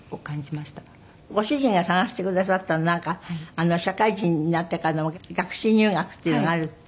ご主人が探してくださったなんか社会人になってからの学士入学っていうのがあるって。